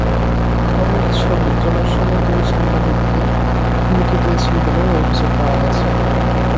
ঘরের ছবি তোলার সময় তিনি সাংবাদিককে হুমকি দিয়েছেন বলেও অভিযোগ পাওয়া গেছে।